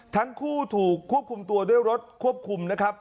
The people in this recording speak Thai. ทั้งคู่ถูกควบคุมตัวด้วยรถควบคุมนะครับ